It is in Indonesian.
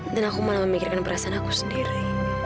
aku malah memikirkan perasaan aku sendiri